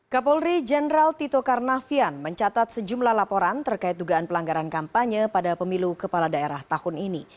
kapolri jenderal tito karnavian mencatat sejumlah laporan terkait dugaan pelanggaran kampanye pada pemilu kepala daerah tahun ini